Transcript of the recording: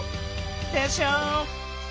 でしょ！